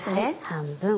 半分。